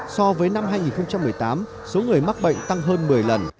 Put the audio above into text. so với năm hai nghìn một mươi tám số người mắc bệnh tăng hơn một mươi lần